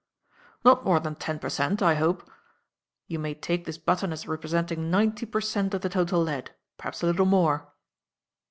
"Not more than ten per cent. I hope. You may take this button as representing ninety per cent of the total lead; perhaps a little more."